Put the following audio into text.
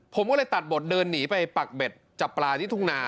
ผมก็เลยตัดบทเดินหนีไปปักเบ็ดจับปลาที่ทุ่งนา